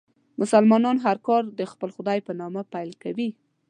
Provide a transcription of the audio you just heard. مسلمانان هر کار د خپل خدای په نامه پیل کوي.